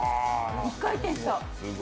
２回転した。